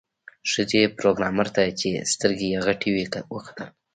ښځې پروګرامر ته چې سترګې یې غټې وې وکتل